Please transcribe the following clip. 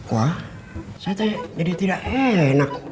wah saya jadi tidak enak